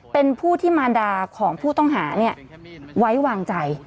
เป็นผู้ที่มารดาของผู้ต้องหาไว้วางใจ